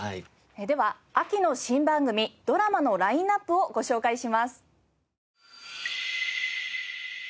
では秋の新番組ドラマのラインアップをご紹介します。